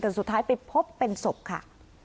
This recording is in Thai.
แต่สุดท้ายไปพบเป็นศพค่ะ